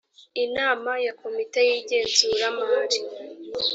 inama ya komite y igenzura mari